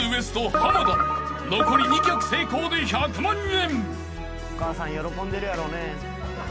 濱田残り２曲成功で１００万円］